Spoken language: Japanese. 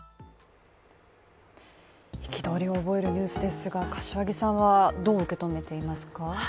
憤りを覚えるニュースですが柏木さんはどう受け止めていますか？